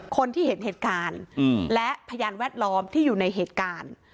คนที่เห็นเหตุการณ์และพยานแวดล้อมที่อยู่ในเหตุการณ์